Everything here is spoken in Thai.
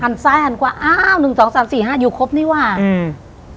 ซ้ายหันขวาอ้าวหนึ่งสองสามสี่ห้าอยู่ครบนี่ว่ะอืม